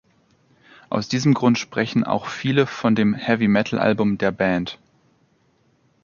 Aus diesem Grund sprechen auch viele von dem Heavy-Metal-Album der Band.